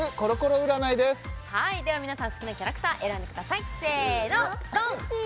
皆さん好きなキャラクター選んでくださいせーのドン！